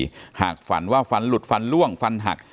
ให้ใครอาจฝันดีหากฝันว่าฝันหลวงหรือลุดหรือฝันหัก